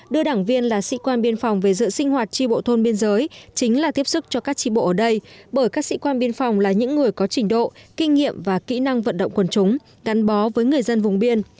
đưa đảng viên là sĩ quan biên phòng về dự sinh hoạt tri bộ thôn biên giới chính là tiếp sức cho các tri bộ ở đây bởi các sĩ quan biên phòng là những người có trình độ kinh nghiệm và kỹ năng vận động quần chúng gắn bó với người dân vùng biên